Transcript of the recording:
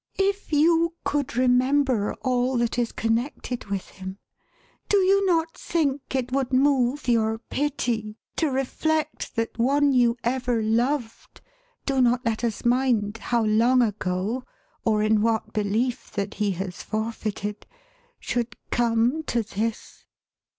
" If you could remember all that is con nected with him, do you not think it would move your pity to reflect that one you ever loved (do not let us mind how long ago, or in what belief that he has forfeited), should come to this